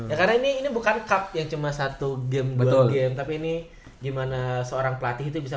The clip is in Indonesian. ya karena ini ini bukan cup yang cuma satu game atau game tapi ini gimana seorang pelatih itu bisa